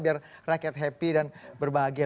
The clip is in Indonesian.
biar rakyat happy dan berbahagia